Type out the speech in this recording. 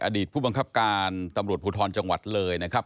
อดีตผู้บังคับการตำรวจภูทรจังหวัดเลยนะครับ